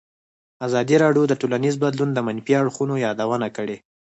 ازادي راډیو د ټولنیز بدلون د منفي اړخونو یادونه کړې.